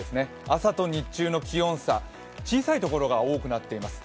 朝と日中の気温差小さいところが多くなっています。